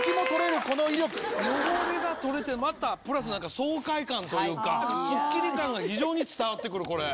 汚れが取れてまたプラス爽快感というかスッキリ感が非常に伝わって来るこれ。